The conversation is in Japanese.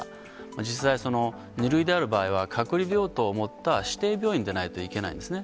実際、２類である場合は、隔離病棟を持った指定病院でないと、いけないんですね。